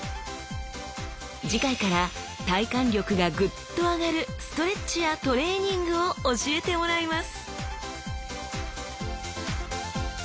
次回から体幹力がグッと上がるストレッチやトレーニングを教えてもらいます！